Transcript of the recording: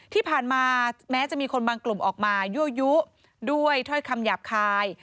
ที่ผ่านมาแม้จะมีคนบางกลุ่มออกมายั่วยุด้วยถ้อยคำหยาบคาย